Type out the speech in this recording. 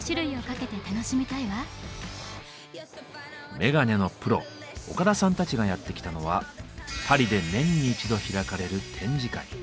メガネのプロ岡田さんたちがやってきたのはパリで年に一度開かれる展示会。